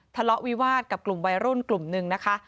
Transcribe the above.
ทะเลาะวิวาสกับกลุ่มวัยรุ่นกลุ่มนึงนะคะ